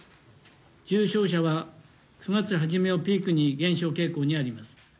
重症者は９月初めをピークに減少傾向にあります。